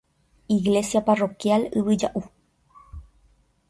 Iglesia Parroquial Yvyjaʼu.